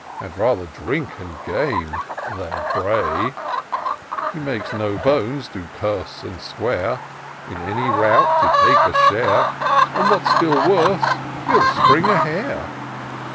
Had rather drink and game — than pray : He makes no bones to curse and swear. In any rout to take a share, And what's still worse, he'll springe a hare.